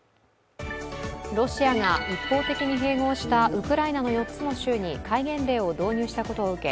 ロシアが一方的に併合したウクライナの４つの州に戒厳令を導入したことを受け